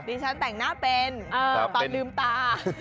ฉันแต่งหน้าเป็นตอนลืมตา